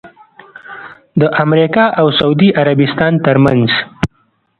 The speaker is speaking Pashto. د امریکا اوسعودي عربستان ترمنځ